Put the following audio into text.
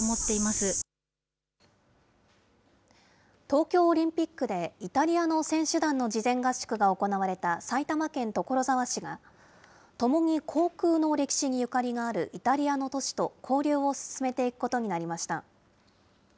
東京オリンピックで、イタリアの選手団の事前合宿が行われた埼玉県所沢市が、ともに航空の歴史にゆかりがあるイタリアの都市と交流を進めていくことになりました。